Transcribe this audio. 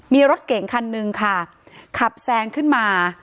มีรถเก่งคันนึงค่ะขับแซงขึ้นมา